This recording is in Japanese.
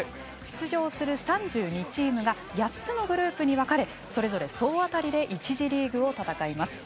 出場する３２チームが８つのグループに分かれそれぞれ総当たりで１次リーグを戦います。